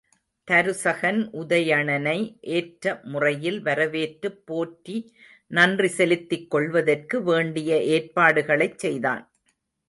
தருசகன், உதயணனை ஏற்ற முறையில் வரவேற்றுப் போற்றி நன்றி செலுத்திக் கொள்வதற்கு வேண்டிய ஏற்பாடுகளைச் செய்தான்.